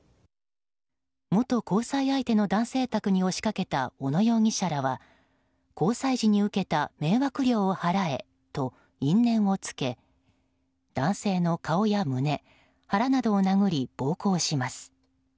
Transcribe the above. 元交際相手の男性宅に押しかけた小野容疑者らは交際時に受けた迷惑料を払えと因縁をつけ、男性の顔や胸腹などを殴り暴行します。